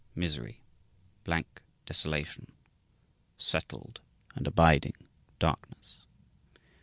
Misery blank desolation settled and abiding darkness